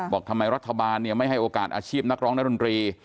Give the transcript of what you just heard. บอกทำไมรัฐบาลไม่ให้โอกาสอาชีพนักร้องนักดนตรี